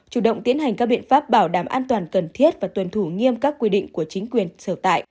chủ động tiến hành các biện pháp bảo đảm an toàn cần thiết và tuân thủ nghiêm các quy định của chính quyền sở tại